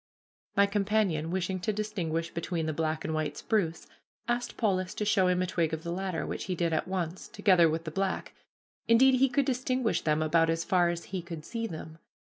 My companion, wishing to distinguish between the black and white spruce, asked Polis to show him a twig of the latter, which he did at once, together with the black; indeed, he could distinguish them about as far as he could see them.